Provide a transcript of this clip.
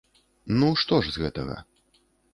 Ну, што ж з гэтага?